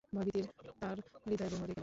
ভয়-ভীতিতে তার হৃদয় ভরে গেল।